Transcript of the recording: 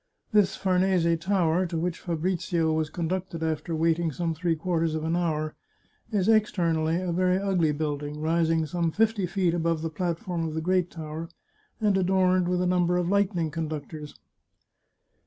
This Farnese Tower, to which Fabrizio was conducted after waiting some three quarters of an hour, is externally a very ugly building, rising some fifty feet above the platform of the great tower, and adorned with a number of lightning conductors.